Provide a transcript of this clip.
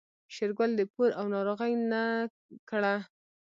شېرګل د پور او ناروغۍ نه کړه.